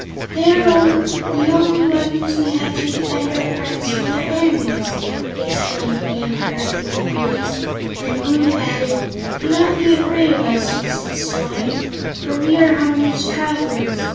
"They are the only weapons we have to defend our friends from their enemies," explained the Emperor of the Winkies, and Woot added: "Do not be afraid of us, Mrs. Swyne, for we are harmless travelers.